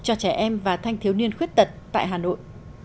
cho trẻ em và thanh thiếu niên khuyết tật tại hà nội